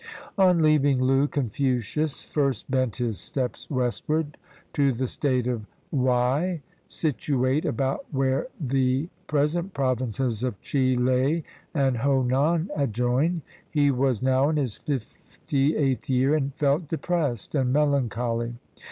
On leaving Loo, Confucius first bent his steps west ward to the State of Wei, situate about where the pres ent Provinces of Chih le and Ho nan adjoin. He was now in his fifty eighth year, and felt depressed and mel ancholy.